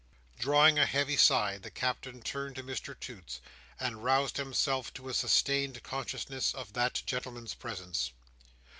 Drawing a heavy sigh, the Captain turned to Mr Toots, and roused himself to a sustained consciousness of that gentleman's presence.